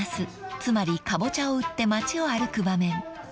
つまりカボチャを売って町を歩く場面］